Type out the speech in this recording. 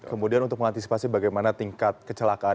kemudian untuk mengantisipasi bagaimana tingkat kecelakaan